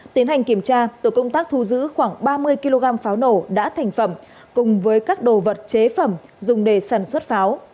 tiến hành kiểm tra tổ công tác thu giữ khoảng ba mươi kg pháo nổ đã thành phẩm cùng với các đồ vật chế phẩm dùng để sản xuất pháo